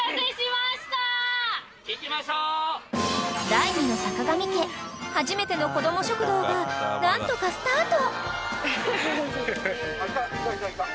［第２のさかがみ家初めてのこども食堂が何とかスタート］